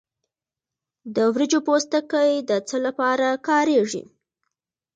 د وریجو پوستکی د څه لپاره کاریږي؟